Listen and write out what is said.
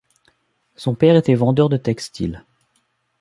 Son père était vendeur de textile.